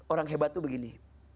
orang hebat tuh begini